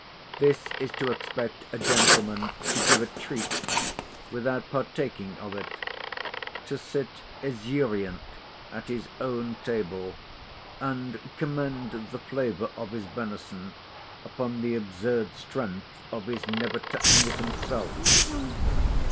This is to expect a gentleman to give a treat without partaking of it; to sit esurient at his own table, and commend the flavour of his venison upon the absurd strength of his never touching it himself.